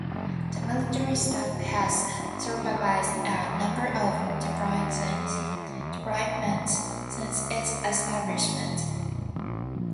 The Military Staff has supervised a number of deployments since its establishment.